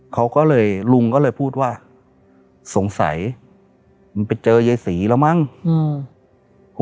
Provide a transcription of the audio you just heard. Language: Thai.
เขาก็เลยลุงก็เลยพูดว่าสงสัยมันไปเจอยายศรีแล้วมั้งอืม